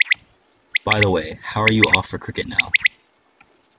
By the way, how are you off for cricket now?